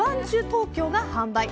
東京が販売。